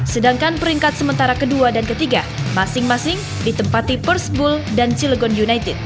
sedangkan peringkat sementara kedua dan ketiga masing masing ditempati persebul dan cilegon united